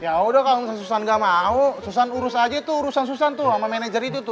yaudah kalau susan gak mau susan urus aja tuh urusan susan tuh sama manajer itu tuh